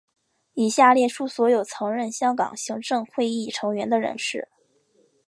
以下列出所有曾任香港行政会议成员的人士。